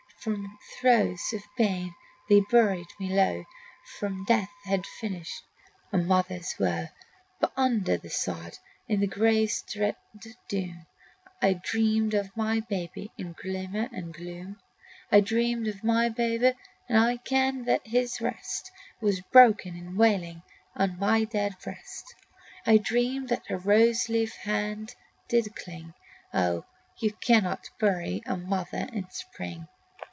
II From throes of pain they buried me low, For death had finished a mother's woe. But under the sod, in the grave's dread doom, I dreamed of my baby in glimmer and gloom. I dreamed of my babe, and I kenned that his rest Was broken in wailings on my dead breast. I dreamed that a rose leaf hand did cling: Oh, you cannot bury a mother in spring!